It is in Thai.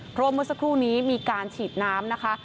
เพราะเมื่อสักครู่นี้มีการฉีดน้ำ